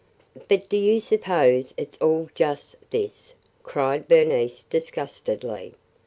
"But do you suppose it 's all just – this?" cried Bernice disgustedly.